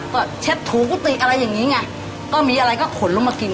ก็เช็ดถูกุฏิอะไรอย่างนี้ไงก็มีอะไรก็ขนลงมากิน